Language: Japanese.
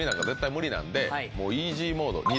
イージーモード。